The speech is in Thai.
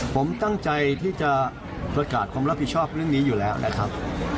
ผมตั้งใจที่จะประกาศความรับผิดชอบเรื่องนี้อยู่แล้วนะครับ